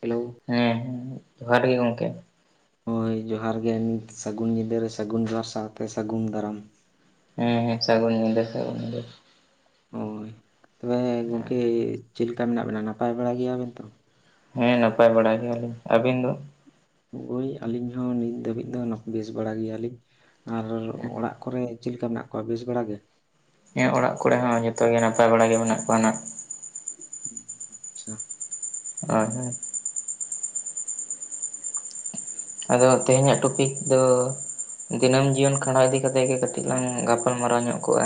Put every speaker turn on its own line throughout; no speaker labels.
Hello
ᱦᱮᱸ ᱦᱮᱸ ᱡᱚᱦᱟᱨ ᱜᱮ ᱜᱚᱢᱠᱮ᱾
ᱦᱳᱭ ᱡᱚᱦᱟᱨ ᱜᱮ ᱱᱤᱛ ᱥᱟᱹᱜᱩᱱ ᱧᱤᱫᱟᱹ ᱨᱮ ᱥᱟᱹᱜᱩᱱ ᱡᱚᱦᱟᱨ ᱥᱟᱶᱛᱮ ᱥᱟᱹᱜᱩᱱ ᱫᱟᱨᱟᱢ᱾
ᱦᱮᱸ ᱦᱮᱸ ᱥᱟᱹᱜᱩᱱ ᱧᱤᱞᱟᱹ ᱥᱟᱹᱜᱩᱱ ᱧᱤᱫᱟᱹ᱾
ᱦᱳᱭ ᱛᱚᱵᱮ ᱜᱚᱝᱠᱮ ᱪᱮᱫ ᱞᱮᱠᱟ ᱢᱮᱱᱟᱜ ᱵᱮᱱᱟ ᱱᱟᱯᱟᱭ ᱵᱟᱲᱟ ᱜᱮᱭᱟ ᱵᱮᱱ ᱛᱚ?
ᱦᱮᱸ ᱱᱟᱯᱟᱭ ᱵᱟᱲᱟ ᱜᱮᱭᱟᱞᱤᱧ ᱟᱹᱵᱤᱱ ᱫᱚ?
ᱦᱳᱭ ᱟᱹᱞᱤᱧ ᱦᱚᱸ ᱱᱤᱛ ᱫᱷᱟᱹᱵᱤᱡ ᱫᱚ ᱵᱮᱥ ᱵᱟᱲᱟ ᱜᱮᱭᱟᱞᱤᱧ᱾ ᱟᱨ ᱚᱲᱟᱜ ᱠᱚᱨᱮ ᱪᱮᱫ ᱞᱮᱠᱟ ᱢᱮᱱᱟᱜ ᱠᱚᱣᱟ ᱵᱮᱥ ᱵᱮᱲᱟ ᱜᱮ?
ᱤᱧᱟᱹᱜ ᱚᱲᱟᱜ ᱠᱚᱨᱮ ᱦᱚᱸ ᱡᱚᱛᱚ ᱜᱮ ᱱᱟᱯᱟᱭ ᱵᱟᱲᱟ ᱜᱮ ᱢᱮᱱᱟᱜ ᱠᱚᱣᱟ ᱱᱟᱜ᱾
ᱟᱪᱪᱷᱟ
ᱦᱳᱭ ᱦᱳᱭ ᱟᱫᱚ ᱛᱮᱦᱮᱧᱟᱜ ᱴᱚᱯᱤᱠ ᱫᱚ᱾ ᱫᱤᱱᱟᱹᱢ ᱡᱤᱭᱚᱱ ᱠᱷᱟᱸᱰᱟᱣ ᱤᱫᱤ ᱠᱟᱛᱮᱜ ᱜᱮ ᱠᱟᱹᱴᱤᱡ ᱞᱟᱝ ᱜᱟᱯᱟᱞ ᱢᱟᱨᱟᱣ ᱧᱚᱜ ᱠᱚᱜᱼᱟ᱾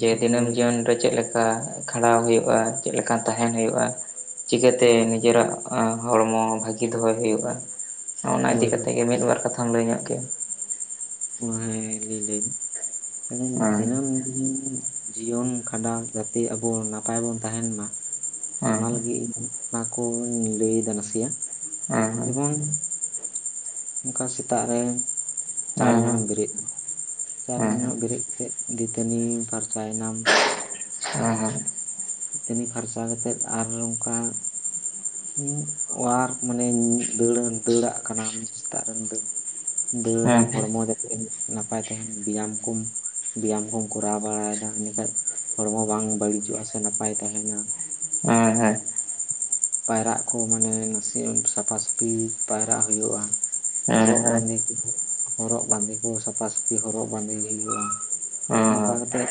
ᱡᱮ ᱫᱤᱱᱟᱹᱢ
ᱦᱳᱭ
ᱡᱤᱭᱚᱱ ᱨᱮ ᱪᱮᱫ ᱞᱮᱠᱟ ᱠᱷᱟᱸᱰᱟᱣ ᱦᱩᱭᱩᱜᱼᱟ ᱪᱮᱫ ᱞᱮᱠᱟ ᱛᱟᱦᱮᱟᱸᱱ ᱦᱩᱭᱩᱜᱼᱟ᱾ ᱪᱤᱠᱟᱹᱛᱮ
ᱦᱳᱭ
ᱱᱤᱡᱮᱨᱟᱜ ᱦᱚᱲᱢᱚ ᱵᱷᱟᱹᱜᱤ ᱫᱚᱦᱚᱭ ᱦᱩᱭᱩᱜᱼᱟ? ᱱᱚᱜ ᱱᱟ
ᱦᱳᱭ
ᱤᱫᱤᱠᱟ
ᱦᱳᱭ
ᱠᱟᱛᱮᱜ ᱜᱮ ᱢᱤᱫ ᱵᱟᱨ ᱠᱟᱛᱷᱟᱢ ᱞᱟᱹᱭ ᱧᱚᱜ ᱠᱮᱭᱟ᱾
ᱚ ᱦᱮᱸ ᱞᱤᱧ ᱞᱟᱹᱭᱫᱟ ᱟᱹ
ᱦᱮᱸ
ᱫᱤᱱᱟᱹᱢ ᱫᱤᱱ ᱡᱤᱭᱚᱱ ᱠᱷᱟᱸᱰᱟᱣ ᱡᱟᱛᱮ ᱟᱵᱚ ᱱᱟᱯᱟᱭ ᱵᱚᱱ ᱛᱟᱦᱮᱱ ᱢᱟ
ᱦᱮᱸ
ᱚᱱᱟ ᱞᱟᱹᱜᱤᱫ ᱤᱧ ᱚᱱᱟ ᱠᱚᱧ ᱞᱟᱹᱭᱫᱟ ᱱᱟᱥᱮᱭᱟᱜ᱾
ᱦᱮᱸ ᱦᱮᱸ
ᱡᱮᱢᱚᱱ ᱚᱱᱠᱟ ᱥᱮᱛᱟᱜ ᱨᱮ ᱪᱟᱬ
ᱦᱮᱸ
ᱧᱚᱜ
ᱦᱮᱸ
ᱮᱢ ᱵᱮᱨᱮᱫᱟ, ᱪᱟᱨ ᱧᱚᱜ ᱵᱮᱨᱮᱫ ᱠᱟᱛᱮᱫ ᱫᱟᱹᱛᱟᱹᱱᱤ ᱯᱷᱟᱨᱪᱟᱭ ᱱᱟᱢ, ᱤᱛᱟᱹᱱᱤ ᱯᱷᱟᱨᱪᱟ ᱠᱟᱛᱮᱫ ᱟᱨ ᱚᱝᱠᱟ, ᱧᱩ ᱚᱣᱟᱨᱠ ᱢᱟᱱᱮ ᱫᱟᱹᱲ ᱫᱟᱹᱲᱟᱜ ᱠᱟᱱᱟ ᱥᱮᱛᱟᱜ ᱨᱮ ᱫᱟᱹᱲ ᱫᱟᱹᱲᱫᱟᱢ ᱦᱚᱲᱢᱚ ᱡᱟᱛᱮ ᱱᱟᱯᱟᱭ ᱛᱟᱦᱮᱱ ᱵᱮᱭᱟᱢ ᱠᱚᱢ, ᱵᱮᱭᱟᱢ ᱠᱚᱢ ᱠᱚᱨᱟᱣ ᱵᱟᱲᱟᱭᱮᱫᱟ ᱮᱸᱰᱮᱠᱟᱱ ᱦᱚᱲᱢᱚ ᱵᱟᱝ ᱵᱟᱹᱲᱤᱡᱚᱜᱼᱟ ᱥᱮ ᱱᱟᱯᱟᱭ ᱛᱟᱦᱮᱱᱟ᱾
ᱦᱳᱭ ᱦᱳᱭ᱾
ᱯᱟᱭᱨᱟᱜ ᱠᱚ ᱢᱟᱱᱮ ᱱᱟᱥᱮ ᱥᱟᱯᱷᱟᱥᱟᱹᱯᱷᱤ ᱯᱟᱭᱨᱟᱜ ᱦᱩᱭᱩᱜᱼᱟ᱾ ᱦᱚᱨᱚᱜ ᱵᱟᱸᱫᱮ ᱦᱚᱨᱚᱜ ᱵᱟᱸᱫᱮ ᱠᱚ ᱥᱟᱯᱟ ᱥᱟᱹᱯᱷᱤ ᱦᱚᱨᱚᱜ ᱵᱟᱸᱫᱮ ᱦᱩᱭᱩᱜᱼᱟ᱾ ᱱᱚᱝᱠᱟ
ᱦᱳᱭ,
ᱠᱟᱛᱮᱫ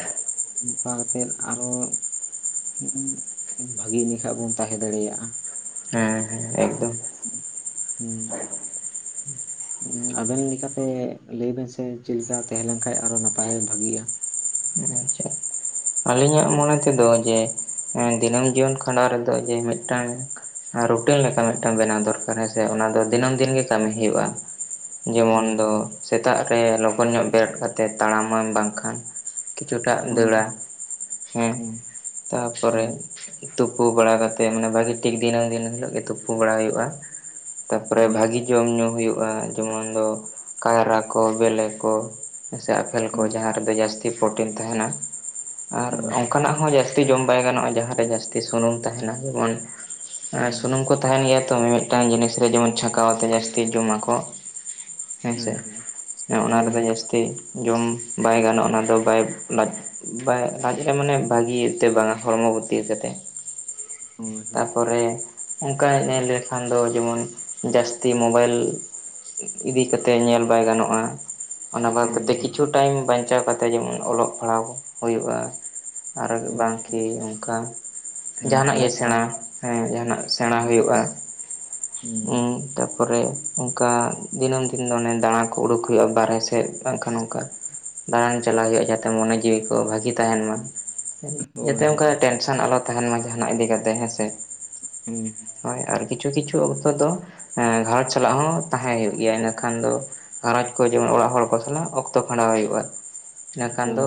ᱱᱚᱝᱠᱟ ᱠᱟᱛᱮᱫ ᱟᱨᱚ ᱵᱷᱟᱜᱤ ᱤᱱᱟᱹ ᱠᱷᱟᱡ ᱵᱚᱱ ᱛᱟᱦᱮᱸ ᱫᱟᱲᱮᱭᱟᱜᱼᱟ᱾
ᱦᱮᱸ ᱦᱮᱸ ᱮᱠᱫᱚᱢ
[unintelligible] ᱟᱵᱮᱱ ᱞᱮᱠᱟᱛᱮ ᱞᱟᱹᱭᱵᱮᱱ ᱥᱮ ᱪᱮᱫ ᱞᱮᱠᱟ ᱛᱟᱦᱮᱸ ᱞᱮᱱᱠᱷᱟᱱ ᱟᱨᱚ ᱱᱟᱯᱟᱭ ᱵᱷᱟᱜᱤᱜᱼᱟ?
ᱟᱪᱪᱷᱟ ᱟᱹᱞᱤᱧᱟᱜ ᱢᱚᱱᱮ ᱛᱮᱫᱚ ᱡᱮ ᱫᱤᱱᱟᱹᱢ ᱡᱤᱭᱚᱱ ᱠᱷᱟᱸᱰᱟᱣ ᱨᱮᱫᱚ ᱡᱮ ᱢᱤᱫᱴᱟᱝ ᱟᱨ ᱨᱩᱴᱤᱱ ᱞᱮᱠᱟ ᱢᱤᱫᱴᱟᱝ ᱵᱮᱱᱟᱣ ᱫᱚᱨ ᱠᱟᱨᱟ ᱥᱮ ᱚᱱᱟ ᱫᱚ ᱫᱤᱱᱟᱹᱢ ᱫᱤᱱ ᱜᱮ ᱠᱟᱹᱢᱤ ᱦᱩᱭᱩᱜᱼᱟ ᱡᱮᱢᱚᱱ
ᱦᱳᱭ
ᱫᱚ
ᱦᱳᱭ
ᱥᱮᱛᱟᱜ ᱨᱮ ᱞᱚᱜᱚᱱ ᱧᱚᱜ ᱵᱮᱨᱮᱫ ᱠᱟᱛᱮᱫ ᱛᱟᱲᱟᱢᱟᱢ ᱵᱟᱝᱠᱷᱟᱱ ᱠᱤᱪᱷᱩᱴᱟᱜ
ᱦᱳᱭ
ᱫᱟᱹᱲᱟ, ᱦᱩᱸ ᱛᱟᱯᱚᱨᱮ
ᱦᱩᱸ
ᱛᱩᱯᱩ ᱵᱟᱲᱟ ᱠᱟᱛᱮᱫ ᱢᱟᱱᱮ ᱵᱷᱟᱹᱜᱤ ᱴᱷᱤᱠ ᱫᱤᱱᱟᱹᱢ ᱫᱤᱱ ᱦᱤᱞᱳᱜ ᱜᱮ ᱛᱩᱯᱩ ᱵᱟᱲᱟ ᱦᱩᱭᱩᱜᱼᱟ᱾ ᱛᱟᱨᱯᱚᱨᱮ
ᱦᱳᱭ
ᱵᱷᱟᱹᱜᱤ ᱡᱚᱢᱼ ᱧᱩ ᱦᱩᱭᱩᱜᱼᱟ ᱡᱮᱢᱚᱱ ᱫᱚ ᱠᱟᱭᱨᱟ ᱠᱚ ᱵᱮᱞᱮ ᱠᱚ, ᱥᱮ ᱟᱯᱮᱞ ᱠᱚ,
ᱦᱩᱸ
ᱡᱟᱦᱟᱸ ᱨᱮᱫᱚ ᱡᱟᱹᱥᱛᱤ ᱯᱨᱳᱚᱴᱤᱱ ᱛᱟᱦᱮᱱᱟ᱾ ᱟᱨ
ᱦᱳᱭ
ᱚᱱᱠᱟᱱᱟᱜ ᱦᱚᱸ ᱡᱟᱹᱥᱛᱤ ᱡᱚᱢ ᱵᱟᱭ ᱜᱟᱱᱚᱜᱼᱟ ᱡᱟᱦᱟᱸᱨᱮ ᱡᱟᱹᱥᱛᱤ ᱥᱩᱱᱩᱢ ᱛᱟᱦᱮᱱᱟ᱾ ᱡᱮᱢᱚᱱ ᱮ
ᱦᱳᱭ
ᱥᱩᱱᱩᱢ ᱠᱚ ᱛᱟᱦᱮᱱ ᱜᱮᱭᱟ ᱛᱚ ᱢᱤᱼᱢᱤᱫ ᱢᱤᱫ ᱴᱟᱝ ᱡᱤᱱᱤᱥ ᱨᱮ ᱡᱮᱢᱚᱱ ᱪᱷᱟᱸᱠᱟᱣᱛᱮ ᱡᱟᱹᱥᱛᱤ ᱡᱚᱢᱟᱠᱚ᱾ ᱦᱳᱭ
ᱦᱮᱸ
ᱥᱮ
ᱦᱮᱸ
ᱚᱱᱟ ᱨᱮᱫᱚ
ᱦᱳᱭ
ᱡᱟᱹᱥᱛᱤ ᱡᱚᱢ ᱵᱟᱭ ᱜᱟᱱᱚᱜᱼᱟ ᱚᱱᱟ ᱫᱚ ᱵᱟᱭ ᱞᱟᱡ ᱵᱟᱭ ᱞᱟᱡ ᱨᱮ ᱢᱟᱱᱮ ᱵᱷᱟᱜᱤ ᱛᱮ ᱵᱟᱝᱟ ᱦᱚᱲᱢᱚ ᱵᱚᱨᱛᱤ ᱠᱟᱛᱮ,
ᱦᱳᱭ ᱦᱳᱭ
ᱛᱟᱯᱚᱨᱮ ᱚᱱᱠᱟ ᱧᱮᱞ ᱠᱷᱟᱱ ᱫᱚ ᱡᱮᱢᱚᱱ ᱡᱟᱹᱥᱛᱤ ᱢᱚᱵᱟᱭᱤᱞ ᱤᱫᱤ ᱠᱟᱛᱮ ᱧᱮᱞ ᱵᱟᱭ ᱜᱟᱱᱚᱜᱼᱟ᱾ ᱚᱱᱟ ᱵᱟᱫ
ᱦᱳᱭ
ᱠᱟᱛᱮ
ᱦᱳᱭ
ᱠᱤᱪᱷᱩ ᱴᱟᱭᱤᱢ ᱵᱟᱧᱪᱟᱣ ᱠᱟᱛᱮ ᱡᱮᱢᱚᱱ ᱚᱞᱚᱜ ᱯᱟᱲᱦᱟᱣ ᱦᱩᱭᱩᱜᱼᱟ᱾ ᱟᱨ
ᱦᱮᱸ
ᱵᱟᱝ ᱠᱤ ᱚᱱᱠᱟ
ᱦᱮᱸ
ᱡᱟᱦᱱᱟᱜ ᱜᱮ
ᱚᱞᱚᱜ ᱯᱟᱲᱦᱟᱜ
ᱥᱮᱬᱟ ᱦᱮᱸ ᱡᱟᱦᱟᱸᱱᱟᱜ ᱥᱮᱬᱟ ᱦᱩᱭᱩᱜᱼᱟ᱾
ᱦᱩᱸ
ᱩᱸ ᱛᱟᱯᱚᱨᱮ ᱚᱱᱠᱟ ᱫᱤᱱᱟᱹᱢ ᱫᱤᱱ ᱫᱚ ᱚᱱᱮ ᱫᱟᱬᱟ ᱠᱚ ᱩᱰᱩᱠ ᱦᱩᱭᱩᱜᱼᱟ, ᱵᱟᱦᱨᱮ ᱥᱮᱫ ᱵᱟᱝᱠᱷᱟᱱ ᱚᱱᱠᱟ ᱫᱟᱬᱟᱱ ᱪᱟᱞᱟᱜ ᱦᱩᱭᱩᱜᱼᱟ ᱡᱟᱛᱮ ᱢᱚᱱᱮ ᱡᱤᱣᱤ ᱠᱚ ᱵᱷᱟᱹᱜᱤ ᱛᱟᱦᱮᱱ ᱢᱟ᱾
ᱦᱳᱭ
ᱡᱟᱛᱮ ᱚᱱᱠᱟ
ᱦᱳᱭ
ᱴᱮᱱᱥᱚᱱ ᱟᱞᱚ ᱛᱟᱦᱮᱱ ᱢᱟ ᱡᱟᱦᱟᱱᱟᱜ ᱤᱫᱤ ᱠᱟᱛᱮ ᱦᱮᱸᱥᱮ᱾
ᱦᱮᱸ
ᱦᱳᱭ ᱟᱨ ᱠᱤᱪᱷᱩ ᱠᱤᱪᱷᱩ ᱚᱠᱛᱚ ᱫᱚ ᱜᱷᱟᱨᱚᱸᱡᱽ ᱥᱟᱞᱟᱜ ᱦᱚᱸ ᱛᱟᱦᱮᱸᱟᱸ ᱦᱩᱭᱩᱜ ᱜᱮᱭᱟ ᱤᱱᱟᱹ ᱠᱷᱟᱱ ᱫᱚ, ᱜᱸᱷᱟᱨᱚᱸᱡᱽ ᱠᱚ ᱡᱮᱢᱚᱱ ᱚᱲᱟᱜ ᱦᱚᱲ ᱠᱚ ᱥᱟᱞᱟᱜ ᱚᱠᱛᱚ ᱠᱷᱟᱸᱰᱟᱣ ᱦᱩᱭᱩᱜᱼᱟ᱾ ᱤᱱᱟᱹᱠᱷᱟᱱ ᱫᱚ
ᱦᱳᱭ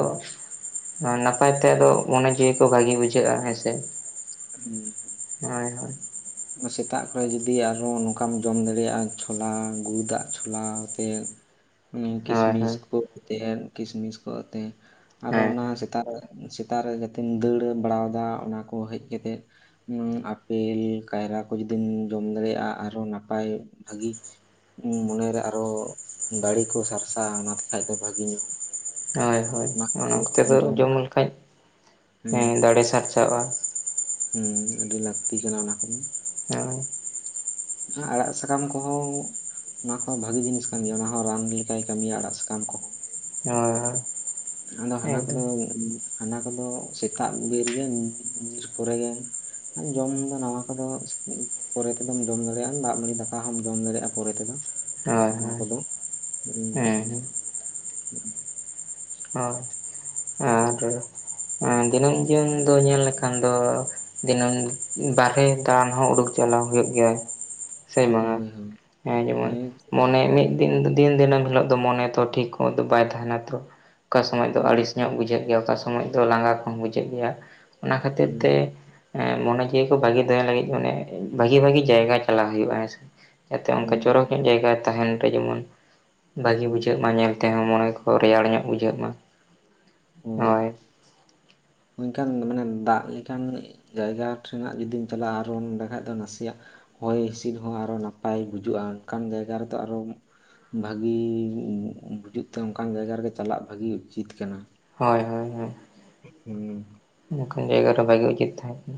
ᱱᱟᱯᱟᱭᱛᱮ ᱟᱫᱚ ᱢᱚᱱᱮ ᱡᱤᱣᱤ ᱠᱚ ᱵᱷᱟᱹᱜᱮ ᱵᱩᱡᱷᱟᱹᱜᱼᱟ ᱦᱮᱸᱥᱮ᱾
ᱦᱮᱸ
ᱦᱳᱭ ᱦᱳᱭ
ᱚᱱᱟ ᱥᱮᱛᱟᱜ ᱠᱚᱨᱮ ᱡᱩᱚᱫᱤ ᱟᱨᱦᱚ ᱱᱚᱝᱠᱟᱢ ᱡᱚᱢ ᱫᱟᱲᱤᱭᱟᱜᱼᱟ ᱪᱷᱚᱞᱟ ᱜᱩᱲ ᱫᱟᱜ ᱪᱷᱚᱞᱟ ᱟᱛᱮᱫ ᱦᱩᱸ
ᱦᱳᱭ
ᱠᱤᱥᱢᱤᱥ
ᱦᱳᱭ
ᱠᱚ ᱮᱛᱮ ᱠᱤᱥᱢᱤᱥ ᱠᱚ ᱟᱛᱮ ᱟᱨᱚ
ᱦᱮᱸ
ᱚᱱᱟ
ᱦᱮᱸ
ᱥᱮᱛᱟᱜ ᱨᱮ ᱥᱮᱛᱟᱜ ᱨᱮ ᱡᱟᱛᱮᱢ ᱫᱟᱹᱲ ᱵᱟᱲᱟᱣᱟᱫᱟ ᱚᱱᱟᱠᱚ ᱦᱮᱡ ᱠᱟᱛᱮᱜ ᱟᱯᱮᱞ ᱠᱟᱭᱨᱟ ᱠᱚ ᱡᱚᱫᱤᱢ ᱧᱩ ᱡᱚᱢ ᱫᱟᱲᱮᱭᱟᱜᱼᱟ ᱟᱨᱦᱚ ᱱᱟᱯᱟᱭ ᱵᱷᱟᱜᱤ ᱢᱚᱱᱮᱨᱮ ᱟᱨᱚ ᱫᱟᱲᱮ ᱠᱚ ᱥᱟᱨᱥᱟᱜᱼᱟ ᱚᱱᱟ ᱛᱮ ᱠᱷᱟᱡ ᱫᱚ ᱵᱷᱟᱜᱤ ᱧᱚᱜ
ᱦᱳᱭ ᱦᱳᱭ ᱚᱱᱟ ᱠᱚᱛᱮ ᱫᱚ ᱡᱚᱢ ᱞᱮᱠᱷᱟᱡ ᱫᱟᱲᱮ ᱥᱟᱨᱥᱟᱣᱜᱼᱟ
ᱦᱩᱸ ᱟᱹᱰᱤ ᱞᱟᱹᱠᱛᱤ ᱠᱟᱱᱟ ᱚᱱᱟ ᱠᱚᱫᱚ
ᱦᱮᱸ
ᱟᱲᱟᱜ ᱥᱟᱠᱟᱢ ᱠᱚᱦᱚᱸ ᱚᱱᱟ ᱠᱚᱦᱚᱸ ᱵᱷᱟᱜᱤ ᱡᱤᱱᱤᱥ ᱠᱟᱱ ᱜᱮᱭᱟ ᱚᱱᱟᱦᱚᱸ ᱨᱟᱱ ᱞᱮᱠᱟᱭ ᱠᱟᱹᱢᱤᱭᱟ ᱟᱲᱟᱜ ᱥᱟᱠᱟᱢ ᱠᱚᱦᱚᱸ
ᱦᱳᱭ ᱦᱳᱭ
ᱟᱫᱚ ᱦᱟᱱᱟ ᱠᱚᱫᱚ
ᱮᱠᱫᱚᱢ
ᱦᱟᱱᱟ ᱠᱚᱫᱚ ᱥᱮᱛᱟᱜ ᱵᱮᱨ ᱜᱮ ᱧᱤᱨ ᱯᱚᱨᱮ ᱜᱮ ᱡᱚᱢ ᱫᱚ ᱱᱟᱣᱟ ᱠᱚᱫᱚ ᱯᱚᱨᱮ ᱛᱮ ᱫᱚᱢ ᱡᱚᱢ ᱫᱟᱲᱮᱭᱟᱜᱼᱟ ᱫᱟᱜ ᱢᱟᱹᱲᱤ ᱫᱟᱠᱟ ᱦᱚᱸ ᱡᱚᱢ ᱫᱟᱲᱮᱭᱟᱜᱼᱟ ᱯᱚᱨᱮ ᱛᱮᱫᱚ
ᱦᱳᱭ
ᱚᱱᱟ
ᱦᱳᱭ
ᱠᱚᱫᱚ ᱦᱩᱸ
ᱦᱮᱸ ᱦᱮᱸ
ᱦᱩᱸ
ᱚ ᱟᱨ ᱫᱤᱱᱟᱹᱢ ᱡᱤᱭᱚᱱ ᱫᱚ ᱧᱮᱞ ᱞᱮᱠᱷᱟᱱ ᱫᱚ ᱫᱤᱱᱟᱹᱢ ᱵᱟᱨᱦᱮ ᱫᱟᱲᱟᱱ ᱦᱚᱸ ᱩᱰᱩᱠ ᱪᱟᱞᱟᱣ ᱦᱩᱭᱩᱜ ᱜᱮᱭᱟ
[inaudible]
ᱥᱮ ᱵᱟᱝᱟ
ᱦᱳᱭ
ᱦᱮᱸ ᱡᱮᱢᱚᱱ ᱢᱚᱱᱮ ᱢᱤ ᱫᱤᱱ ᱫᱤᱱ ᱫᱤᱱᱟᱹᱢ ᱦᱤᱞᱳᱜ ᱫᱚ ᱢᱚᱱᱮ ᱛᱚ ᱴᱷᱤᱠ ᱫᱚ ᱵᱟᱭ ᱛᱟᱦᱮᱱᱟ ᱛᱚ ᱚᱠᱟ ᱥᱚᱢᱚᱭ ᱫᱚ
ᱦᱳᱭ
ᱟᱹᱲᱤᱥ ᱧᱚᱜ ᱵᱩᱡᱷᱟᱹᱜ ᱜᱮᱭᱟ ᱚᱠᱟ ᱥᱚᱢᱚᱭ ᱫᱚ ᱞᱟᱸᱜᱟ ᱠᱚᱦᱚᱸ ᱵᱩᱡᱷᱟᱹᱜ ᱜᱮᱭᱟ ᱚᱱᱟ ᱠᱷᱟᱹᱛᱤᱨ ᱛᱮ
ᱦᱩᱸ
ᱦᱮᱸ ᱢᱚᱱᱮ ᱡᱤᱣᱤ ᱠᱚ ᱵᱷᱟᱜᱤ ᱫᱚᱦᱚᱭ ᱞᱟᱹᱜᱤᱫ ᱢᱟᱱᱮ ᱵᱷᱟᱜᱤ ᱵᱷᱟᱜᱤ ᱡᱟᱭᱜᱟ ᱪᱟᱞᱟᱣ ᱦᱩᱭᱩᱜᱼᱟ ᱦᱮᱸᱥᱮ ᱡᱟᱛᱮ ᱚᱱᱠᱟ ᱪᱚᱨᱚᱠ
ᱦᱩᱸ
ᱧᱚᱜ ᱡᱟᱭᱜᱟ ᱛᱟᱦᱮᱱ ᱨᱮ ᱡᱮᱢᱚᱱ ᱵᱷᱟᱜᱮ
ᱦᱩᱸ
ᱵᱩᱡᱷᱟᱹᱜ ᱢᱟ ᱧᱮᱞ ᱛᱮᱦᱚᱸ ᱢᱚᱱᱮ ᱠᱚ ᱨᱮᱭᱟᱲ ᱧᱚᱜ ᱵᱩᱡᱷᱟᱹᱜ ᱢᱟ ᱦᱳᱭ
ᱤᱱᱠᱟᱱ ᱢᱟᱱᱮ ᱫᱟᱜ ᱞᱮᱠᱟᱱ ᱡᱟᱭᱜᱟ ᱴᱷᱮᱱᱟᱜ ᱡᱩᱫᱤᱢ ᱪᱟᱞᱟᱜᱼᱟ ᱟᱨ ᱱᱚᱰᱮ ᱠᱷᱟᱡ ᱫᱚ ᱱᱟᱥᱮᱭᱟᱜ ᱦᱚᱭ ᱦᱤᱥᱤᱫ ᱦᱚᱸ ᱟᱨᱚ ᱱᱟᱯᱟᱭ ᱵᱩᱡᱩᱜᱼᱟ ᱚᱱᱠᱟᱱ ᱡᱟᱭᱜᱟ ᱨᱮᱫᱚ ᱟᱨᱚ ᱵᱷᱟᱜᱤ ᱵᱩᱡᱩᱜ ᱛᱮ ᱚᱱᱠᱟᱱ ᱡᱟᱭᱜᱟ ᱨᱮᱜᱮ ᱪᱟᱞᱟᱜ ᱵᱷᱟᱜᱤ ᱩᱪᱤᱛ ᱠᱟᱱᱟ
ᱦᱳᱭ ᱦᱳᱭ ᱦᱳᱭ
ᱦᱩᱸ
ᱱᱚᱝᱠᱟᱱ ᱡᱟᱭᱜᱟ ᱨᱮ ᱵᱷᱟᱜᱮ ᱩᱪᱤᱛ ᱛᱟᱦᱮᱸ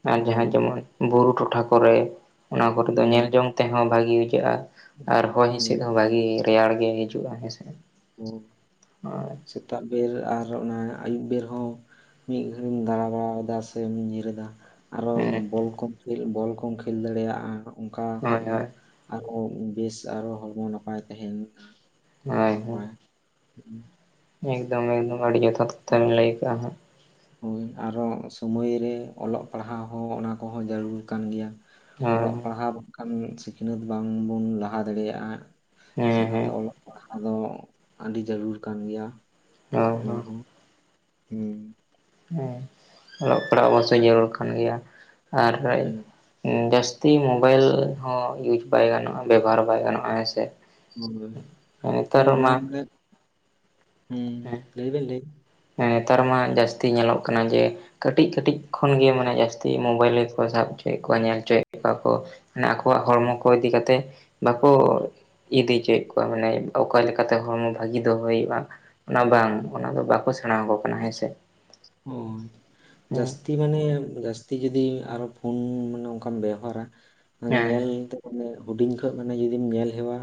ᱠᱟᱱᱟ ᱟᱨ ᱡᱟᱦᱟᱸ
ᱦᱳᱭ
ᱡᱮᱢᱚᱱ ᱵᱩᱨᱩ ᱴᱚᱴᱷᱟ ᱠᱚᱨᱮ ᱚᱱᱟ ᱠᱚᱨ ᱫᱚ
ᱦᱮᱸ
ᱧᱮᱞᱡᱚᱝ ᱛᱮᱦᱚᱸ ᱵᱷᱟᱹᱜᱤ ᱵᱩᱡᱷᱟᱹᱜᱼᱟ ᱟᱨ ᱦᱚᱭ ᱦᱤᱸᱥᱤᱫ
ᱦᱮᱸ
ᱦᱚᱸ ᱵᱷᱟᱹᱜᱤ ᱨᱮᱭᱟᱲ ᱜᱮ ᱦᱤᱡᱩᱜᱼᱟ ᱦᱮᱸᱥᱮ ᱦᱳᱭ
ᱥᱮᱛᱟᱜ ᱵᱮᱨ ᱟᱨ ᱚᱱᱟ ᱟᱹᱭᱩᱵ ᱵᱮᱨ ᱦᱚᱸ ᱢᱤᱫ ᱜᱷᱟᱹᱲᱤᱢ ᱫᱟᱲᱟ ᱵᱟᱲᱟᱭᱮᱫᱟ ᱥᱮᱢ ᱧᱤᱨ ᱮᱫᱟ ᱟᱨᱚᱢ
ᱦᱮᱸ
ᱵᱚᱞ ᱠᱚᱢ ᱠᱷᱮᱞ ᱵᱚᱞ ᱠᱚᱢ ᱠᱷᱮᱞ ᱫᱟᱲᱮᱭᱟᱜᱼᱟ ᱚᱱᱠᱟ ᱠᱷᱟᱡ
ᱦᱳᱭ
ᱫᱚ
ᱦᱳᱭ
ᱟᱨᱦᱚᱸ ᱵᱮᱥ ᱟᱨᱚ ᱦᱚᱲᱢᱚ ᱱᱟᱯᱟᱭ ᱛᱟᱦᱮᱱ
ᱦᱳᱭ ᱦᱳᱭ
ᱱᱟᱯᱟᱭ ᱦᱩᱸ
ᱮᱠᱫᱚᱢ ᱮᱠᱫᱚᱢ ᱟᱹᱰᱤ ᱡᱚᱛᱷᱟᱛ ᱠᱟᱛᱷᱟ ᱮᱢ ᱞᱟᱹᱭ ᱠᱟᱜᱼᱟ ᱦᱟᱸᱜ
ᱦᱳᱭ ᱟᱨᱚ ᱥᱳᱢᱟᱹᱭ ᱨᱮ ᱚᱞᱚᱜ ᱯᱟᱲᱦᱟᱣ ᱦᱚᱸ ᱚᱱᱟ ᱠᱚᱦᱚᱸ ᱡᱟᱨᱩᱲ ᱠᱟᱱ ᱜᱮᱭᱟ
ᱦᱳᱭ
ᱚᱞᱚᱜ ᱯᱟᱲᱦᱟᱣ ᱵᱟᱝᱠᱷᱟᱱ ᱥᱤᱠᱱᱟᱹᱛ ᱵᱟᱝᱵᱚᱱ ᱞᱟᱦᱟ ᱫᱟᱲᱮᱭᱟᱜᱼᱟ
ᱦᱮᱸ
ᱥᱮ
ᱦᱮᱸ
ᱚᱱᱟᱛᱮ ᱚᱞᱚᱜ ᱯᱟᱲᱦᱟᱜ ᱫᱚ ᱟᱹᱰᱤ ᱡᱟᱹᱨᱩᱲ ᱠᱟᱱ ᱜᱮᱭᱟ
ᱦᱳᱭ
ᱚᱱᱟ
ᱦᱳᱭ
ᱦᱚᱸ ᱦᱩᱸ
ᱦᱮᱸ ᱚᱞᱚᱜ ᱯᱟᱲᱦᱟᱜ ᱢᱟᱥᱮ ᱡᱟᱹᱨᱩᱲ ᱠᱟᱱ ᱜᱮᱭᱟ ᱟᱨ
ᱦᱮᱸ
ᱡᱟᱹᱥᱛᱤ ᱢᱳᱵᱟᱭᱤᱞ ᱦᱚᱸ ᱤᱭᱩᱡ ᱵᱟᱭ ᱜᱟᱱᱚᱜᱼᱟ ᱵᱮᱵᱚᱦᱟᱨ ᱵᱟᱭ ᱜᱟᱱᱚᱜᱼᱟ ᱦᱮᱸ ᱥᱮ
ᱦᱳᱭ ᱦᱮᱸ ᱚᱱᱟ ᱵᱚᱞᱮᱛ ᱦᱩᱸ
ᱦᱮᱸ
ᱞᱟᱹᱭ ᱵᱮᱱ ᱞᱟᱹᱭ
ᱱᱮᱛᱟᱨ ᱢᱟ ᱡᱟᱹᱥᱛᱤ ᱧᱮᱞᱚᱜ ᱠᱟᱱᱟ ᱡᱮ ᱠᱟᱹᱴᱤᱡ ᱠᱟᱹᱴᱤᱡ ᱠᱷᱚᱱᱱᱜᱮ ᱢᱟᱱᱮ ᱡᱟᱹᱥᱛᱤ ᱢᱳᱵᱟᱭᱤᱞ ᱨᱮᱠᱚ ᱥᱟᱵ ᱦᱚᱪᱚᱭᱮᱫ ᱠᱚᱣᱟ ᱧᱮᱞ ᱦᱚᱪᱚᱭᱮᱫ ᱠᱚᱣᱟ ᱠᱚ ᱢᱟᱱᱮ ᱟᱠᱚᱣᱟᱜ
ᱚ
ᱦᱚᱲᱢᱚ ᱠᱚ ᱤᱫᱤ ᱠᱟᱛᱮᱫ ᱵᱟᱠᱚ ᱤᱫᱤ ᱦᱚᱪᱚᱭᱮᱫ ᱠᱚᱣᱟ ᱢᱟᱱᱮ ᱚᱠᱟ ᱞᱮᱠᱟᱛᱮ ᱦᱚᱲᱢᱚ ᱵᱷᱟᱹᱜᱤ ᱫᱚᱦᱚ ᱦᱩᱭᱩᱜᱼᱟ ᱚᱱᱟ ᱵᱟᱝ ᱚᱱᱟ ᱫᱚ ᱵᱟᱠᱚ ᱥᱮᱬᱟ ᱟᱠᱚ ᱠᱟᱱᱟ ᱦᱮᱸᱥᱮ
ᱚ ᱡᱟᱥ ᱤᱧ ᱢᱟᱱᱮ ᱡᱟᱹᱥᱛᱤ ᱡᱩᱫᱤ ᱟᱨᱚ ᱯᱷᱩᱱ ᱢᱟᱱᱮ ᱚᱱᱠᱟᱢ ᱵᱮᱣᱦᱟᱨᱟ
ᱦᱮᱸ
ᱧᱮᱞ ᱛᱮ ᱚᱱᱮ ᱦᱩᱰᱤᱧ ᱠᱷᱚᱡ ᱢᱟᱱᱮ ᱡᱩᱫᱤᱢ ᱧᱮᱞ ᱦᱮᱣᱟ᱾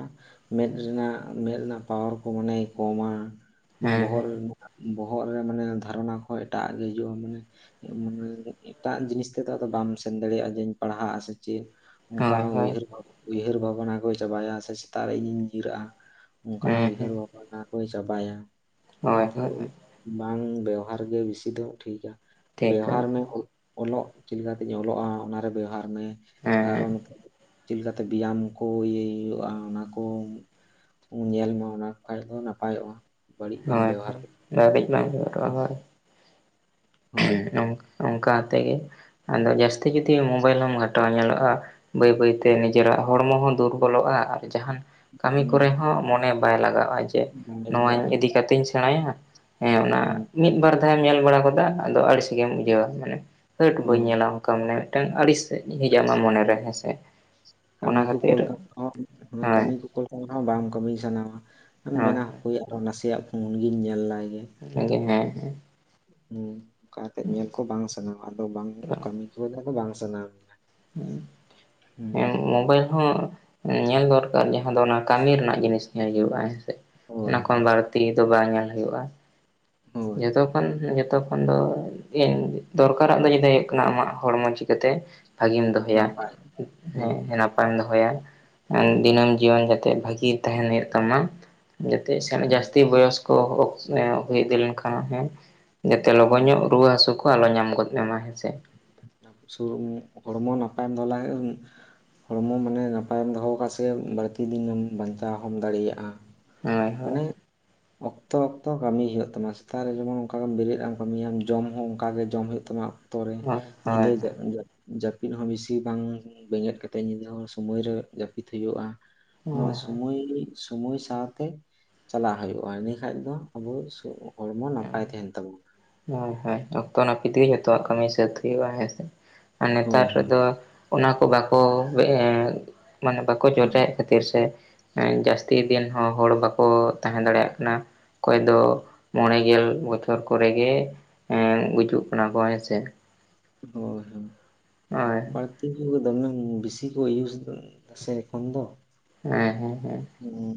ᱢᱮᱫ ᱨᱮᱱᱟᱜ ᱢᱮᱫ ᱨᱮᱱᱟᱜ ᱯᱟᱣᱟᱨ ᱠᱚ ᱢᱟᱱᱮᱭ ᱠᱚᱢ-ᱟ
ᱦᱮᱸ
ᱵᱚᱦᱚᱜ
ᱦᱮᱸ
ᱨᱮᱱᱟᱜ ᱵᱚᱦᱚᱜ ᱨᱮ ᱢᱟᱱᱮ ᱫᱷᱟᱨᱚᱱᱟ ᱠᱚᱦᱚᱸ ᱮᱴᱟᱜ ᱜᱮ ᱦᱤᱡᱩᱜ-ᱟ ᱢᱟᱱᱮ ᱢᱚᱱᱮ ᱮᱴᱟᱜ ᱡᱤᱱᱤᱥ ᱛᱮᱫᱚ ᱟᱫᱚ ᱵᱟᱢ ᱥᱮᱱ ᱫᱟᱲᱮᱭᱟᱜ-ᱟ ᱡᱮᱧ ᱯᱟᱲᱦᱟᱜ-ᱟ ᱥᱮ ᱪᱮᱫ᱾ ᱚᱱᱠᱟ
ᱦᱳᱭ
ᱦᱚᱸ
ᱦᱳᱭ
ᱩᱭᱦᱟᱹᱨ ᱵᱷᱟᱵᱽ ᱩᱭᱦᱟᱹᱨ ᱵᱷᱟᱵᱽᱱᱟ ᱠᱚᱭ ᱪᱟᱵᱟᱭᱟ ᱥᱮ ᱥᱮᱛᱟᱜ ᱨᱮ ᱤᱧ-ᱤᱧ ᱡᱤᱨᱟᱹᱜᱼᱟ᱾ ᱚᱱ ᱠᱟ ᱱᱟᱜ
ᱦᱮᱸ
ᱩᱭᱦᱟᱹᱨ
ᱦᱮᱸ
ᱵᱷᱟᱵᱽᱱᱟ ᱠᱚᱭ ᱪᱟᱵᱟᱭᱟ ᱚᱱᱟ
ᱦᱳᱭ
ᱛᱮ
ᱦᱳᱭ
ᱩᱱᱟᱹᱜ ᱵᱟᱝ ᱵᱮᱣᱟᱨ᱾ ᱵᱮᱵᱷᱟᱨ ᱜᱮ ᱵᱮᱥᱤ ᱫᱚ ᱴᱷᱤᱠ-ᱟ
ᱴᱷᱤᱠᱟ
ᱵᱮᱵᱦᱟᱨ ᱢᱮ᱾ ᱚᱞᱚᱜ ᱪᱮᱫ ᱞᱮᱠᱟ ᱛᱤᱧ ᱚᱞᱚᱜ-ᱟ ᱚᱱᱟᱨᱮ ᱵᱮᱣᱦᱟᱨ ᱢᱮ ᱟᱨᱚ᱾
ᱦᱮᱸ
ᱪᱮᱫ ᱞᱮᱠᱟ ᱛᱮ ᱵᱮᱭᱟᱢ ᱠᱚ ᱤᱭᱟᱹᱭ ᱦᱩᱭᱩᱜ-ᱟ ᱚᱱᱟ ᱠᱚ᱾ ᱧᱮᱞ ᱢᱮ ᱚᱱᱟ ᱠᱷᱟᱡ ᱫᱚ ᱱᱟᱯᱟᱭᱚᱜ-ᱟ ᱵᱟᱹᱲᱤᱡ ᱵᱟᱢ
ᱦᱳᱭ
ᱵᱮᱵᱦᱟᱨ [unintelligible] ᱦᱚᱸ
[unintelligible] ᱚᱱᱠᱟ ᱛᱮ ᱜᱮ ᱟᱫᱚ ᱡᱟᱹᱥᱛᱤ ᱡᱩᱫᱤ ᱢᱳᱵᱟᱭᱤᱞ ᱦᱚᱸᱢ ᱜᱷᱟᱴᱟᱣᱟ ᱧᱮᱞᱚᱜ-ᱟ ᱵᱟᱹᱭ ᱵᱟᱹᱭ ᱛᱮ ᱱᱤᱡᱮᱨᱟᱜ ᱦᱚᱲᱢᱚ ᱦᱚᱸ ᱫᱩᱨᱵᱚᱞᱚᱜ-ᱟ ᱟᱨ ᱡᱟᱦᱟᱱ᱾ ᱠᱟᱹᱢᱤ ᱠᱚᱨᱮ
ᱦᱩᱸ
ᱦᱚᱸ ᱢᱚᱱᱮ ᱵᱟᱭ ᱞᱟᱜᱟ ᱟᱣ ᱡᱮ
ᱵᱟᱝ
ᱱᱚᱣᱟ
ᱞᱟᱜᱟᱜᱼᱟ
ᱤᱫᱤ ᱠᱟᱛᱮ ᱤᱧ ᱥᱮᱲᱟᱭᱟᱸ ᱦᱮᱸ ᱚᱱᱟ
ᱦᱩᱸ
ᱢᱤᱫ ᱵᱟᱨ ᱫᱷᱟᱣ ᱧᱮᱞ ᱵᱟᱲᱟᱣ ᱜᱟᱫᱟ ᱟᱫᱚ ᱟᱹᱲᱤᱥ ᱜᱮᱢ ᱵᱩᱡᱷᱟᱹᱣᱟ [unintelligible] ᱦᱟ. ᱴ ᱵᱟᱹᱧ
ᱦᱳᱭ
ᱧᱮᱞᱟ ᱠᱟ ᱢᱚᱱᱮ ᱢᱤᱫᱴᱟᱝ ᱟᱹᱲᱤᱥ ᱦᱤᱡ ᱟᱢᱟᱜ ᱢᱚᱱᱮ ᱨᱮ ᱦᱮᱸᱥᱮ
ᱠᱟᱹᱢᱤ
ᱚᱱᱟ ᱠᱷᱟᱹᱛᱤᱨ ᱦᱮᱸ
ᱩᱱ ᱦᱚᱸ ᱵᱟᱝ ᱠᱟᱹᱢᱤ ᱥᱟᱱᱟᱢᱟ
ᱦᱳᱭ
ᱢᱮᱱᱟ ᱦᱟᱯᱮᱩᱭ ᱟᱨ ᱦᱚᱸ ᱱᱟᱥᱮ ᱭᱟᱜ ᱯᱷᱩᱱ ᱜᱤᱧ ᱧᱮᱞ ᱞᱟᱭᱜᱮ
ᱚᱱᱟ ᱜᱮ ᱦᱮᱸ ᱦᱮᱸ
ᱦᱩᱸ ᱚᱱᱠᱟ ᱟᱛᱮᱜ ᱧᱮᱞ ᱠᱚ ᱵᱟᱝ ᱥᱟᱱᱟᱣᱟ ᱟᱫᱚ ᱵᱟᱝ ᱠᱟᱹᱢᱤ ᱠᱚ ᱟᱫᱚ ᱵᱟᱝ ᱥᱟᱱᱟᱣ
[unintelligible] ᱢᱳᱵᱟᱭᱤᱞ ᱦᱚᱸ ᱧᱮᱞ ᱫᱚᱨᱠᱟᱨ ᱡᱟᱦᱟᱸ ᱫᱚ ᱚᱱᱟ ᱠᱟᱹᱢᱤ ᱨᱮᱱᱟᱜ ᱡᱤᱱᱤᱥ ᱧᱮᱞ ᱦᱩᱭᱩᱜ-ᱟ ᱦᱮᱸᱥᱮ
ᱦᱳᱭ
ᱚᱱᱟ ᱠᱷᱚᱱ
ᱦᱳᱭ
ᱵᱟᱲᱛᱤ ᱛᱤ ᱫᱚ ᱵᱟᱭ ᱧᱮᱞ ᱦᱩᱭᱩᱜ-ᱟ
ᱦᱳᱭ
ᱡᱚᱛᱚ ᱠᱷᱚᱱ ᱡᱚᱛᱚ ᱠᱷᱚᱱ ᱫᱚ [unintelligible] ᱫᱚᱨᱠᱟᱨᱟᱜ ᱫᱚ [unintelligible] ᱦᱩᱭᱩᱜ ᱠᱟᱱᱟ ᱟᱢᱟᱜ ᱦᱚᱲᱢᱚ ᱪᱤᱠᱟᱹ ᱛᱮ ᱵᱷᱟᱹᱜᱤᱢ ᱫᱚᱜ
ᱱᱟᱯᱟᱭ ᱦᱳᱭ
ᱭᱟ ᱱᱟᱯᱟᱭᱮᱢ ᱫᱚᱦᱚᱭᱟ ᱫᱤᱱᱟᱹᱢ ᱡᱤᱭᱚᱱ ᱡᱟᱛᱮ ᱵᱷᱟᱹᱜᱤ ᱛᱟᱦᱮᱱ ᱦᱩᱭᱩᱜ ᱛᱟᱢᱟ ᱡᱟᱛᱮ ᱥᱮ ᱡᱟᱹᱥᱛᱤ ᱵᱚᱭᱚᱥ ᱠᱚ [unintelligible] ᱦᱩᱭ ᱤᱫᱤ ᱞᱮᱱᱠᱷᱟᱱ᱾ ᱟ ᱦᱮᱸ ᱡᱟᱛᱮ ᱞᱚᱜᱚᱱ ᱧᱚᱜ ᱨᱩᱣᱟᱹ ᱦᱟᱹᱥᱩ ᱠᱚ ᱟᱞᱚ ᱧᱟᱢ ᱜᱚᱫ ᱢᱮᱢᱟ ᱦᱮᱸᱥᱮ᱾
[unintelligible] ᱦᱚᱲᱢᱚ ᱱᱟᱯᱟᱭᱮᱢ ᱫᱚᱦᱚ ᱞᱮᱣ ᱠᱷᱟ ᱦᱚᱲᱢᱚ ᱢᱟᱱᱮ ᱱᱟᱯᱟᱭᱮᱢ ᱫᱚᱦᱚ ᱠᱟ ᱥᱮ ᱵᱟᱹᱲᱛᱤ ᱫᱤᱱᱮᱢ ᱵᱟᱧᱪᱟᱣ ᱦᱚᱸᱢ ᱫᱟᱲᱮᱭᱟᱜ-ᱟ᱾
ᱦᱳᱭ ᱦᱳᱭ
ᱢᱟᱱᱮ ᱚᱠᱛᱚ ᱚᱠᱛᱚ ᱠᱟᱹᱢᱤ ᱦᱩᱭᱩᱜ ᱛᱟᱢᱟ ᱥᱮᱛᱟᱜ ᱨᱮ ᱡᱮᱢᱚᱱ ᱚᱱᱠᱟᱜᱮᱢ ᱵᱮᱨᱮᱫ ᱟᱢ ᱠᱟᱹᱢᱤᱭᱟᱢ ᱡᱚᱢ ᱦᱚᱸ ᱚᱱᱠᱟ ᱜᱮ ᱡᱚᱢ ᱦᱩᱭᱩᱜ ᱛᱟᱢᱟ᱾ ᱛᱚ ᱨᱮ
ᱦᱳᱭ
ᱧᱤᱫᱟᱹ
ᱦᱳᱭ
ᱡᱟᱹᱜ ᱡᱟᱹᱜ ᱡᱟᱹᱯᱤᱫ ᱦᱚᱸ ᱵᱤᱥᱤ ᱵᱟᱝ ᱵᱮᱸᱜᱮᱫ ᱠᱟᱛᱮᱫ ᱧᱤᱫᱟᱹ ᱦᱚᱸ ᱥᱚᱢᱟᱹᱭ ᱨᱮ ᱡᱟᱹᱯᱤᱫ ᱦᱩᱭᱩᱜ-ᱟ᱾ ᱱᱚᱣᱟ
ᱦᱳᱭ
ᱥᱚᱢᱚᱭ ᱥᱢᱚᱭ ᱥᱟᱶᱛᱮ ᱪᱟᱞᱟᱜ ᱦᱩᱭᱩ-ᱟ ᱤᱱᱟᱹ ᱠᱷᱟᱡ ᱫᱚ ᱟᱵᱚ ᱦᱚᱲᱢᱚ ᱱᱟᱯᱟᱭ ᱛᱟᱦᱮᱱ ᱛᱟᱵᱚᱱᱟ᱾
ᱦᱳᱭᱼᱦᱳᱭ ᱚᱠᱛᱚ ᱱᱟᱹᱯᱤᱛ ᱜᱮ ᱡᱚᱛᱚᱣᱟᱜ ᱠᱟᱹᱢᱤ ᱥᱟᱹᱛ ᱦᱩᱭᱩᱜ-ᱟ ᱦᱮᱸ ᱥᱮ᱾ [unintelligible] ᱱᱮᱛᱟᱨ
ᱦᱳᱭ
ᱨᱮ
ᱦᱳᱭ
ᱫᱚ ᱚᱱᱟ ᱠᱚ ᱵᱟᱠᱚ ᱶᱮ ᱢᱟᱱᱮ ᱵᱟᱠᱚ ᱪᱚᱨᱪᱟ
ᱦᱮᱸ
ᱭᱮᱫ ᱠᱷᱟᱛᱤᱨ ᱜᱮ ᱥᱮ ᱮᱸ ᱡᱟᱹᱥᱛᱤ ᱫᱤᱱ ᱦᱚᱸ ᱦᱚᱲ ᱵᱟᱠᱚ ᱛᱟᱦᱮᱸ ᱫᱟᱲᱮᱭᱟᱜ ᱠᱟᱱᱟ ᱚᱠᱚᱭ ᱫᱚ᱾ ᱢᱚᱬᱮ ᱜᱮᱞ ᱵᱚᱪᱷᱚᱨ ᱠᱚ ᱨᱮ ᱜᱮ ᱜᱩᱡᱩᱜ ᱠᱟᱱᱟ ᱠᱚ ᱦᱮᱸᱥᱮ
ᱦᱳᱭ ᱦᱳᱭ
[unintelligible]
ᱵᱟᱹᱲᱛᱤ ᱫᱚᱢᱮ ᱵᱤᱥᱤ ᱠᱚ ᱤᱭᱩᱥ ᱫᱟ ᱥᱮ ᱮᱠᱷᱚᱱ ᱫᱚ
ᱦᱮᱸ ᱦᱮᱸ ᱦᱮᱸ
ᱦᱩᱸ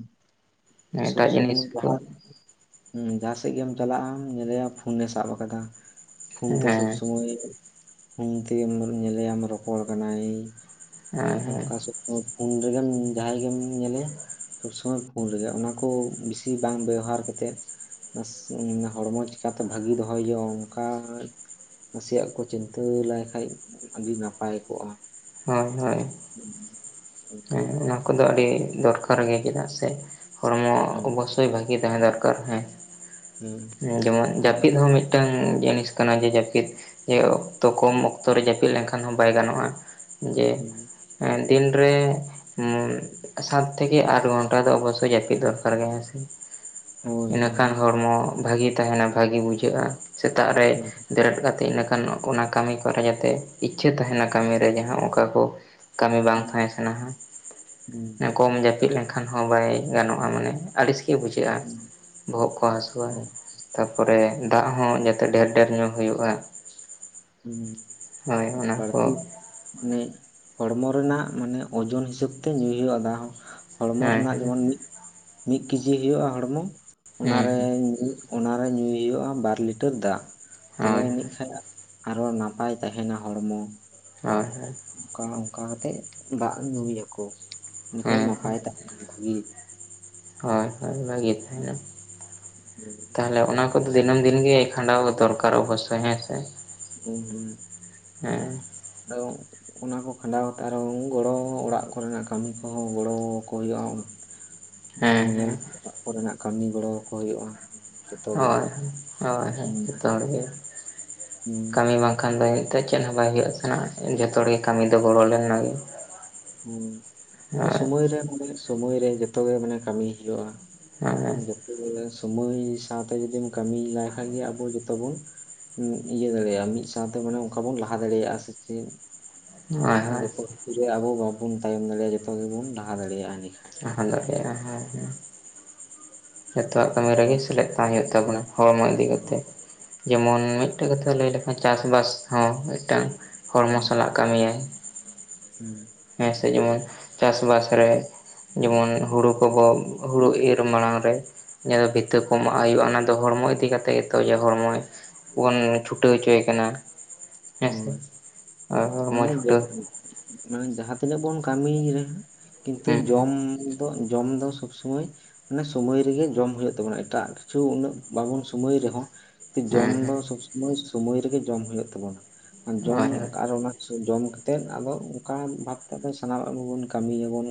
ᱥᱩᱵ
ᱮᱴᱟᱜ
ᱥᱚᱢᱟᱹᱭ
ᱡᱤᱱᱤᱥ ᱠᱚ
ᱡᱟᱦᱟᱸ ᱨᱮ ᱦᱩᱸ ᱡᱟᱦᱟᱸ ᱥᱮᱫ ᱜᱮᱢ ᱪᱟᱞᱟᱜ-ᱟ ᱧᱮᱞᱮᱭᱟ ᱯᱷᱩᱱ ᱮ ᱥᱟᱵ ᱠᱟᱫᱟ ᱯᱷᱩᱱ
ᱦᱮᱸ
ᱛᱮ ᱥᱚᱵ ᱥᱚᱢᱚᱭ᱾ ᱯᱷᱩᱱ ᱛᱮ ᱜᱮ ᱧᱮᱞᱮᱭᱟᱢ ᱨᱚᱯᱚᱲ ᱠᱟᱱᱟᱭ
ᱦᱮᱸ ᱦᱮᱸ
ᱚᱱᱠᱟ ᱥᱚ ᱯᱷᱩᱱ ᱨᱮ ᱜᱮᱢ ᱡᱟᱸᱦᱟᱭ ᱜᱮᱢ ᱧᱮᱞᱮᱭᱟ ᱥᱚᱵ ᱥᱚᱢᱟᱹᱭ ᱯᱷᱩᱱ ᱨᱮ ᱜᱮ ᱚᱱᱟ ᱠᱚ ᱵᱤᱥᱤ ᱵᱟᱝ ᱵᱮᱣᱦᱟᱨ ᱠᱟᱛᱮᱫ ᱥᱮᱢ ᱦᱚᱲᱢᱚ ᱪᱤᱠᱟᱛᱮ ᱵᱷᱟᱹᱜᱤ ᱫᱚᱦᱚᱭ ᱦᱳᱭᱳᱜᱼᱟ ᱚᱱᱠᱟᱻ ᱱᱟᱥᱮᱭᱟᱜ ᱠᱚ ᱪᱤᱱᱛᱟᱹ ᱞᱟᱭ ᱠᱷᱟᱱ ᱟᱹᱰᱤ ᱱᱟᱯᱟᱭ ᱠᱚᱜᱼᱟ᱾
ᱦᱮᱸ ᱦᱮᱸ [unintelligible]
[unintelligible]
ᱦᱮᱸ ᱚᱱᱟ ᱠᱚᱫᱚ ᱟᱹᱰᱤ ᱫᱚᱨᱠᱟᱨ ᱜᱮ ᱪᱮᱫᱟᱜ ᱥᱮ ᱦᱚᱲᱢᱚ ᱚᱵᱚᱥ
ᱦᱮᱸ
ᱚᱵᱚᱥᱳᱭ ᱵᱷᱟᱜᱤ ᱛᱟᱦᱮᱸ ᱫᱚᱨᱠᱟᱨ ᱦᱮᱸ
ᱦᱮᱸ
ᱡᱮᱢᱚᱱ
ᱦᱚᱲ
ᱡᱟᱹᱯᱤᱫ ᱦᱚᱸ ᱢᱤᱫ ᱢᱤᱫᱴᱟᱝ ᱡᱤᱱᱤᱥ ᱠᱟᱱᱟ ᱡᱮ ᱡᱟᱹᱯᱤᱫᱽ ᱡᱮ ᱚᱠᱛᱚ ᱠᱚᱢ ᱚᱠᱛᱚ ᱨᱮ ᱡᱟᱹᱯᱤᱫᱽ ᱞᱮᱱᱠᱷᱟᱱ ᱦᱚᱸ ᱵᱟᱭ ᱜᱟᱱᱚᱜᱼᱟ᱾ ᱡᱮ ᱫᱤᱱᱨᱮ ᱥᱟᱛ ᱛᱷᱮᱠᱮ ᱟᱴ ᱜᱷᱚᱱᱴᱟ ᱫᱚ ᱚᱵᱚᱥᱥᱳᱭ ᱡᱟᱹᱯᱤᱫ ᱫᱚᱨᱠᱟᱨ ᱜᱮ ᱦᱮᱸᱥᱮ᱾
ᱦᱳᱭ ᱦᱳᱭ
ᱤᱱᱟᱹᱠᱷᱟᱱ ᱦᱚᱲᱢᱚ ᱵᱷᱟᱜᱮ ᱛᱟᱦᱮᱸᱱᱟ ᱵᱷᱟᱜᱤ ᱵᱩᱡᱷᱟᱹᱜᱼᱟ ᱥᱮᱛᱟᱜ ᱨᱮ
ᱦᱮᱸ
ᱵᱮᱨᱮᱫ ᱠᱟᱛᱮᱫ ᱤᱱᱟᱹᱠᱷᱟᱱ ᱚᱱᱟ ᱠᱟᱹᱢᱤ ᱠᱚᱨᱮ ᱡᱟᱛᱮ ᱤᱪᱪᱷᱟᱹ ᱛᱟᱦᱮᱸᱱᱟ, ᱠᱟᱹᱢᱤ ᱨᱮ ᱡᱟᱦᱟᱸ ᱚᱱᱠᱟ ᱠᱚ ᱠᱟᱹᱢᱤ ᱵᱟᱝ ᱛᱟᱦᱮᱸ ᱥᱟᱱᱟ ᱦᱟᱸ
ᱦᱩᱸ᱾
ᱠᱚᱢ ᱡᱟᱹᱯᱤᱫ ᱞᱮᱱᱠᱷᱟᱱ ᱦᱚᱸ ᱵᱟᱭ ᱜᱟᱱᱚᱜᱼᱟ, ᱢᱟᱱᱮ ᱟᱹᱲᱤᱥ ᱜᱮ ᱵᱩᱡᱷᱟᱹ ᱜᱮᱭᱟ
ᱦᱮᱸ
ᱵᱚᱦᱚᱜ ᱠᱚ ᱦᱟᱹᱥᱩᱣᱟ᱾ ᱛᱟᱨᱯᱚᱨᱮ ᱫᱟᱜ ᱦᱚᱸ ᱡᱟᱛᱮ ᱰᱷᱮᱨ ᱰᱷᱮᱨ ᱧᱩ ᱦᱩᱭᱩᱜᱼᱟ᱾
ᱦᱩᱸ
ᱦᱳᱭ
ᱟᱹᱰᱤ
ᱚᱱᱟ
ᱵᱟᱲᱛᱤ
ᱠᱚ
ᱢᱟᱱᱮ ᱦᱚᱲᱢᱚ ᱨᱮᱱᱟᱜ ᱢᱟᱱᱮ, ᱳᱡᱳᱚᱱ ᱦᱤᱥᱟᱹᱵ ᱛᱮ ᱧᱩᱭ ᱦᱩᱭᱩᱜᱼᱟ ᱫᱟ ᱦᱚᱸ ᱦᱚᱲᱢᱚ
ᱦᱮᱸ
ᱨᱮᱱᱟᱜ
ᱦᱮᱸ
ᱡᱮᱢᱚᱱ ᱢᱤᱫ ᱢᱤᱫ ᱠᱮᱡᱤ ᱦᱩᱭᱩᱜᱼᱟ ᱦᱚᱲᱢᱚ
ᱦᱮᱸ
ᱚᱱᱟᱨᱮ ᱚᱱᱟᱨᱮ ᱧᱩᱭ ᱦᱩᱭᱩᱜᱼᱟ ᱵᱟᱨ ᱞᱤᱴᱟᱨ ᱫᱟᱜ ᱛᱚᱵᱮ
ᱦᱳᱭ
ᱟᱹᱱᱤᱡ ᱠᱷᱟᱱ ᱟᱨᱦᱚ ᱱᱟᱯᱟᱭ ᱛᱟᱦᱮᱸᱱᱟ ᱦᱚᱲᱢᱚ᱾
ᱟᱨ
ᱚᱱᱠᱟ ᱚᱱᱠᱟ ᱠᱟᱛᱮᱜ ᱫᱟᱜ ᱧᱩᱭᱟᱠᱚ, ᱮᱱᱷᱟᱱ ᱱᱟᱯᱟᱭ ᱛᱟᱦᱮᱸᱱᱟ ᱵᱷᱟᱜᱤ
ᱦᱳᱭ-ᱦᱳᱭ ᱵᱷᱟᱹᱜᱤ ᱛᱟᱦᱮᱸᱱᱟ
ᱦᱩᱸ
ᱛᱟᱦᱚᱞᱮ ᱚᱱᱟ ᱠᱚᱫᱚ ᱫᱤᱱᱚᱢ ᱫᱤᱱ ᱜᱮ ᱠᱷᱟᱸᱰᱟᱣ ᱫᱚᱨᱟᱨ ᱚᱵᱚᱥᱥᱚᱭ ᱦᱮᱸ ᱥᱮ᱾
ᱦᱩᱸ-ᱦᱩᱸ
ᱦᱮᱸ
[unintelligible] ᱚᱱᱟ ᱠᱚ ᱠᱷᱟᱸᱰᱟᱣ ᱠᱟᱛᱮᱜ ᱟᱨᱚ ᱜᱚᱲᱚ ᱚᱲᱟᱜ ᱠᱚᱨᱮᱱᱟ ᱠᱟᱹᱢᱤ ᱠᱚᱦᱚᱸ ᱜᱚᱲᱚ ᱟᱠ ᱠᱚ ᱦᱩᱭᱩᱜᱼᱟ᱾
ᱦᱮᱸ
ᱧᱮᱞ
ᱦᱮᱸ
ᱚᱲᱟᱜ ᱠᱚᱨᱮᱱᱟ ᱠᱟᱹᱢᱤ ᱜᱚᱲᱚ ᱠᱚ ᱦᱳᱭᱳᱜᱼᱟ᱾
ᱦᱚᱭᱻᱦᱚᱭᱻ ᱦᱚᱭᱻ ᱡᱚᱛᱚ ᱦᱚᱲᱜᱮ
ᱦᱩᱸ
ᱠᱟᱹᱢᱤ ᱵᱟᱝ ᱵᱟᱠᱷᱟᱱ ᱫᱚ ᱮᱱᱛᱮ ᱪᱮᱫ ᱦᱚᱸ ᱵᱟᱭ ᱦᱩᱭᱩᱜ ᱟᱥᱮ, ᱡᱚᱛᱚ ᱦᱚᱲᱜᱮ ᱠᱟᱹᱢᱤ ᱫᱚ ᱜᱚᱲᱚ ᱫᱚ
ᱦᱩ, ᱢᱟᱱᱮ ᱥᱢᱚᱭ ᱨᱮ ᱢᱟᱱᱮ ᱥᱢᱚᱭ ᱨᱮ ᱡᱚᱛᱚ ᱜᱮ ᱢᱟᱱᱮ ᱠᱟᱹᱢᱤ ᱦᱳᱭᱳᱜᱼᱟ᱾
ᱦᱳᱭ
ᱡᱚᱛᱚ ᱜᱮ ᱥᱚᱢᱚᱭ ᱥᱟᱶᱛᱮ ᱡᱩᱫᱤᱢ ᱠᱟᱹᱢᱤ ᱞᱮᱟᱭ ᱠᱷᱟᱱ ᱜᱮ ᱟᱵᱚ ᱡᱚᱛᱚ ᱵᱚᱱ ᱤᱭᱟᱹ ᱫᱟᱲᱮᱭᱟᱜᱼᱟ ᱢᱤᱫ ᱥᱟᱶᱛᱮᱮ ᱚᱱᱠᱟ ᱵᱚᱱ ᱞᱟᱦᱟ ᱫᱟᱲᱮᱭᱟᱜᱼᱟ ᱥᱮ ᱪᱮᱫ
ᱦᱳᱭ
ᱠᱷᱟᱱ ᱡᱚᱛᱚ ᱠᱤᱪᱷᱩ ᱨᱮ ᱟᱵᱚ ᱵᱟᱵᱚᱱ ᱛᱟᱭᱚᱢ ᱫᱟᱲᱮᱭᱟᱜᱼᱟ᱾ ᱡᱚᱛᱚ ᱜᱮᱵᱚᱱ ᱞᱟᱦᱟ ᱫᱟᱲᱮᱭᱟᱜᱼᱟ ᱮᱱᱰᱮ ᱠᱷᱟᱱ᱾
ᱞᱟᱦᱟ ᱫᱟᱲᱮᱭᱟ ᱦᱳᱭ, ᱦᱳᱭ᱾ ᱡᱚᱛᱚᱣᱟᱜ ᱠᱟᱹᱢᱤ ᱨᱮᱜᱮ
ᱦᱩᱸ
ᱥᱮᱞᱮᱫ ᱛᱟᱦᱮᱸ ᱦᱩᱭᱩᱜ ᱛᱟᱵᱚᱱᱟ ᱦᱚᱲᱢᱚ ᱤᱫᱤ ᱠᱟᱛᱮᱫ᱾ ᱡᱮᱢᱚᱱ ᱢᱤᱫᱴᱮᱱ ᱠᱟᱛᱷᱟ ᱞᱟᱹᱭ ᱞᱮᱠᱷᱟᱱ ᱪᱟᱥ ᱵᱟᱥ ᱦᱚᱸ ᱢᱤᱫᱴᱟᱝ ᱦᱚᱲᱢᱚ ᱥᱟᱞᱟᱜ ᱠᱟᱹᱢᱤᱭᱟᱭ᱾
ᱦᱩ,
ᱦᱮᱸᱥᱮ ᱡᱮᱢᱚᱱ ᱪᱟᱥᱵᱟᱥ ᱨᱮ ᱡᱮᱢᱚᱱ ᱦᱳᱲᱳ ᱠᱚᱵᱚᱱ ᱦᱳᱲᱳ ᱤᱨ ᱢᱟᱲᱟᱝ ᱨᱮ ᱡᱟᱦᱟᱸ ᱵᱷᱤᱛᱟᱹ ᱠᱚ ᱢᱟᱜ ᱦᱳᱭᱳᱜᱼᱟ ᱚᱱᱟ ᱫᱚ ᱦᱚᱲᱢᱚ ᱤᱫᱤ ᱠᱟᱛᱮᱜ ᱜᱮᱛᱚ ᱡᱮ ᱦᱚᱲᱢᱚᱭ ᱵᱚᱱ ᱪᱷᱩᱴᱟᱹᱣ ᱦᱚᱪᱚᱭᱮ ᱠᱟᱱᱟ᱾ ᱦᱮᱸᱥᱮ
ᱦᱳᱭ,
ᱦᱚᱲᱢᱚ
ᱢᱟᱱᱮ
ᱪᱷᱩᱴᱟᱹᱣ
ᱡᱚᱛᱚ ᱢᱟᱱᱮ ᱡᱟᱦᱟᱸ ᱛᱤᱱᱟᱹᱜ ᱵᱚᱱ ᱠᱟᱹᱢᱤᱭ ᱨᱮᱦᱚᱸ ᱠᱤᱱᱛᱩ
ᱦᱩᱸ ᱦᱩᱸ
ᱡᱚᱢ ᱫᱚ ᱡᱚᱢ ᱫᱚ ᱥᱚᱵ ᱥᱚᱢᱟᱹᱭ ᱢᱟᱱᱮ ᱥᱚᱢᱚᱭ ᱨᱮᱜᱮ ᱡᱚᱢ ᱦᱳᱭᱳᱜ ᱛᱟᱵᱚᱱᱟ ᱮᱴᱟᱜ ᱠᱤᱪᱷᱩ ᱩᱱᱟᱹᱜ ᱵᱟᱵᱚᱱ ᱥᱚᱢᱚᱭ ᱨᱮᱦᱚᱸ ᱡᱚᱢ
ᱦᱮᱸ
ᱫᱚ
ᱦᱮᱸ
ᱥᱚᱵ ᱥᱚᱢᱚᱭ ᱥᱚᱢᱚᱭ ᱨᱮᱜᱮ ᱡᱚᱢ ᱦᱳᱭᱳᱜ ᱛᱟᱵᱚᱱᱟ ᱟᱨ ᱡᱚᱢ
ᱦᱳᱭ ᱦᱳᱭ
ᱟᱨ ᱚᱱᱟ ᱡᱚᱢ ᱠᱟᱛᱮᱫ ᱟᱵᱚ ᱚᱱᱠᱟ ᱵᱟᱫ ᱠᱟᱛᱮ ᱟᱵ ᱥᱟᱱᱟᱢᱟᱜ ᱜᱮᱵᱚᱱ ᱠᱟᱹᱢᱤ ᱭᱟᱵᱚᱱ᱾